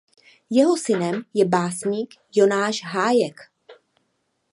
Jeho synem je básník Jonáš Hájek.